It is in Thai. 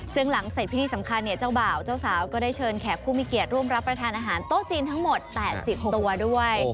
ซึ่งหลังเสร็จพิธีสำคัญเนี่ยเจ้าบ่าวเจ้าสาวก็ได้เชิญแขกผู้มีเกียรติร่วมรับประทานอาหารโต๊ะจีนทั้งหมด๘๐ตัวด้วย